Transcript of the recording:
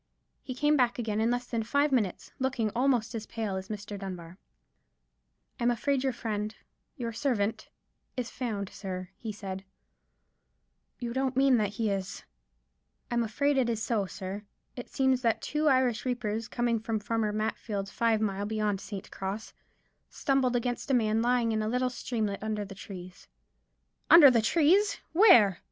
He came back again in less than five minutes, looking almost as pale as Mr. Dunbar. "I'm afraid your friend—your servant—is found, sir," he said. "You don't mean that he is——" "I'm afraid it is so, sir. It seems that two Irish reapers, coming from Farmer Matfield's, five mile beyond St. Cross, stumbled against a man lying in a little streamlet under the trees——" "Under the trees! Where?"